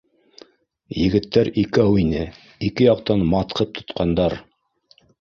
Егеттәр икәү ине, ике яҡтан матҡып тотҡандар